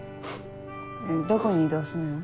どこに異動すんの？